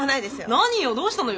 何よどうしたのよ？